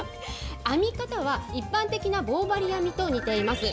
編み方は一般的な棒針編みと似ています。